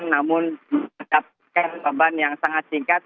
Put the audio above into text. namun mendapatkan beban yang sangat singkat